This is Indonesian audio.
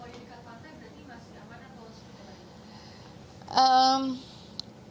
kalau dekat pantai berarti masih aman atau harus dikembali